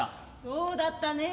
「そうだったね」。